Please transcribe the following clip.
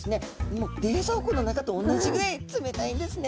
もう冷蔵庫の中と同じぐらい冷たいんですね。